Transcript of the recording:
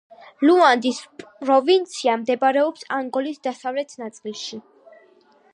ლუანდის პროვინცია მდებარეობს ანგოლის დასავლეთ ნაწილში.